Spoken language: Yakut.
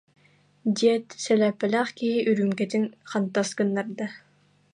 диэт, сэлээппэлээх киһи үрүүмкэтин хантас гыннарда